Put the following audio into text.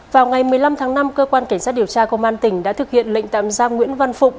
vào ngày một mươi năm tháng năm cơ quan cảnh sát điều tra công an tỉnh đã thực hiện lệnh tạm giam nguyễn văn phục